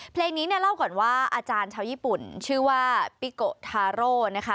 เพลงนี้เนี่ยเล่าก่อนว่าอาจารย์ชาวญี่ปุ่นชื่อว่าปิโกทาโร่นะคะ